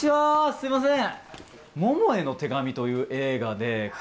すいません。